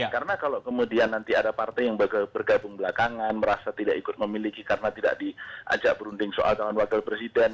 karena kalau kemudian nanti ada partai yang bergabung belakangan merasa tidak ikut memiliki karena tidak diajak berunding soal dengan wakil presiden